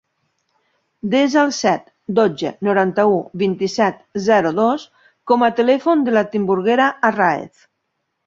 Desa el set, dotze, noranta-u, vint-i-set, zero, dos com a telèfon de la Timburguera Arraez.